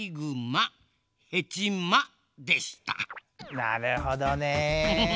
なるほどね。